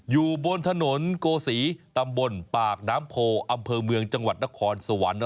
อยู่บนถนนโกศีตำบลปากน้ำโพอำเภอเมืองจังหวัดนครสวรรค์